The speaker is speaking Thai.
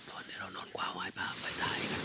ตอนนี้น้องโดนขวาไว้ภาพไว้จ่ายให้กัน